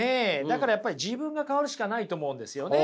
だからやっぱり自分が変わるしかないと思うんですよね。